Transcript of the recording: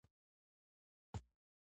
بيا ښځه چې په همدې کلچر کې رالوى شوې،